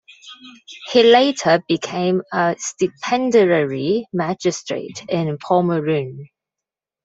He later became a Stipendiary Magistrate in Pomeroon.